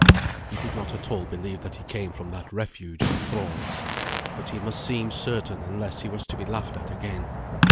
He did not at all believe that he came from that refuge of thralls. But he must seem certain unless he was to be laughed at again.